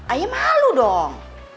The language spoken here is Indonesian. ayah malu dong